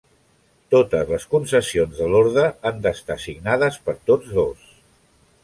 Totes les concessions de l'orde han d'estar signades per tots dos.